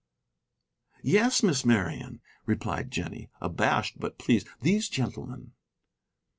"Yes, Miss Marian," replied Jennie, abashed but pleased, "these gentlemen."